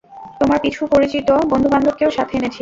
তোমার কিছু পরিচিত বন্ধুবান্ধবকেও সাথে এনেছি।